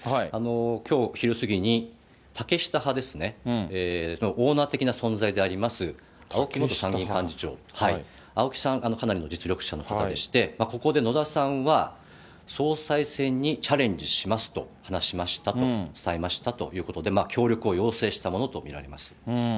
きょう昼過ぎに、竹下派ですね、そのオーナー的な存在でありまして、青木元参議院幹事長、青木さん、かなりの実力者の方でして、ここで野田さんは、総裁選にチャレンジしますと話しましたと、伝えましたと、協力を要請したものと見られます。